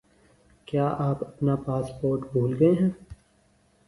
کیا آپ اپنا پاسورڈ بھول گئے ہیں